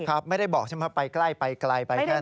ไม่ได้บอกใช่ไหมไปใกล้ไปไกลไปแค่นั้น